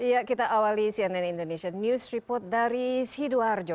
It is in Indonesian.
ya kita awali cnn indonesia news report dari sidoarjo